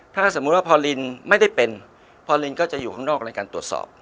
ถ้าสมมุติว่าพอลินไม่ได้เป็นพอลินก็จะอยู่ข้างนอกในการตรวจสอบ